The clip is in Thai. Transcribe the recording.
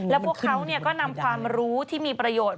แล้วพวกเขาก็นำความรู้ที่มีประโยชน์